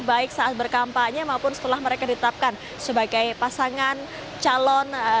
baik saat berkampanye maupun setelah mereka ditetapkan sebagai pasangan calon